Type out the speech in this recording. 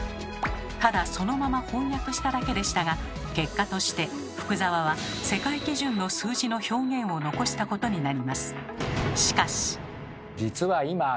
ただそのまま翻訳しただけでしたが結果として福沢は世界基準の数字の表現を残したことになります。